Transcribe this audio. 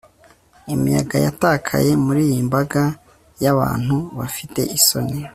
Imiyabaga yatakaye muriyi mbaga yabantu bafite isoni